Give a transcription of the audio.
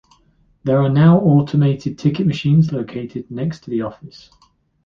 There are now automated ticket machines located next to the office.